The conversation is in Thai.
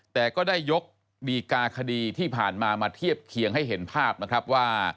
แต่ก็ได้ยกดีกาคดีที่ผ่านมามาเทียบเคียงให้เห็นภาพนะครับว่า